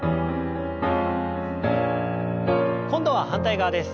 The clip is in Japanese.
今度は反対側です。